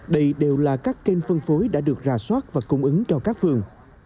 đây đều là các kênh phân phối đã được rà soát và cung ứng cho các phường